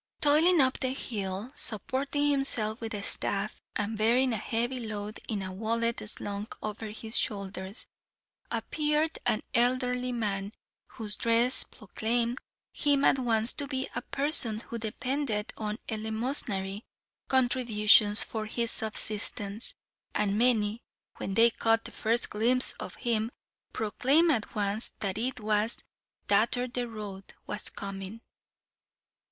Toiling up the hill, supporting himself with a staff, and bearing a heavy load in a wallet slung over his shoulders, appeared an elderly man whose dress proclaimed him at once to be a person who depended on eleemosynary contributions for his subsistence: and many, when they caught the first glimpse of him, proclaimed, at once, that it was "Tatther the Road" was coming.